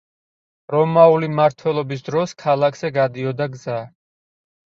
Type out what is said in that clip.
რომაული მმართველობის დროს ქალაქზე გადიოდა გზა.